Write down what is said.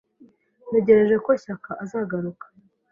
Ntegereje ko Shyaka azagaruka.